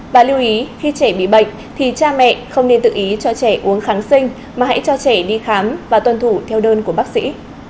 và lưu ý khi trẻ bị bệnh thì cha mẹ không nên tự ý cho trẻ uống kháng sinh mà hãy cho trẻ đi khám và tuân thủ theo đơn của bác sĩ